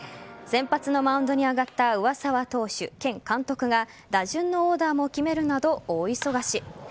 先発のマウンドに上がった上沢投手兼監督が打順のオーダーも決めるなど大忙し。